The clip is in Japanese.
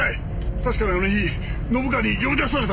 確かにあの日信川に呼び出された。